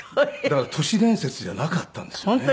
だから都市伝説じゃなかったんですよね。